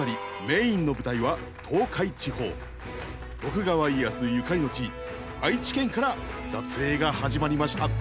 徳川家康ゆかりの地愛知県から撮影が始まりました。